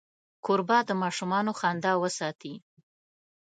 کوربه د ماشومانو خندا وساتي.